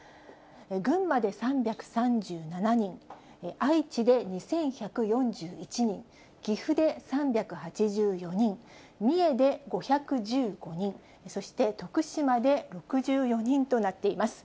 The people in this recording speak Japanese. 群馬で３３７人、愛知で２１４１人、岐阜で３８４人、三重で５１５人、そして徳島で６４人となっています。